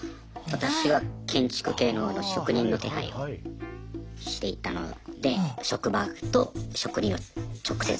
私は建築系の職人の手配をしていたので職場と職人を直接。